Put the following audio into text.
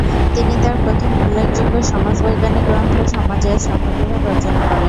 তিনি তার প্রথম উল্লেখযোগ্য সমাজবৈজ্ঞানিক গ্রন্থ সমাজের শ্রমবিভাগ রচনা করেন।